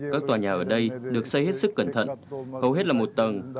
các tòa nhà ở đây được xây hết sức cẩn thận hầu hết là một tầng